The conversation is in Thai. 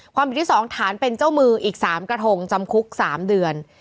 ความผิดที่๒ฐานเป็นเจ้ามืออีก๓กระทงจำคุก๓เดือน